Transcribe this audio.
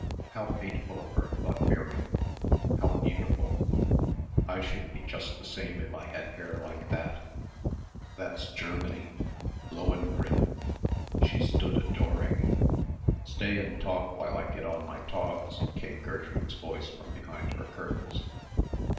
How hateful of her, thought Miriam.... How beautiful. I should be just the same if I had hair like that ... that's Germany.... Lohengrin.... She stood adoring. "Stay and talk while I get on my togs," came Gertrude's voice from behind her curtains.